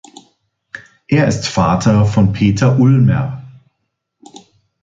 Er ist Vater von Peter Ulmer.